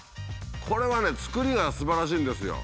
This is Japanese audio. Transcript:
これはね作りがすばらしいんですよ。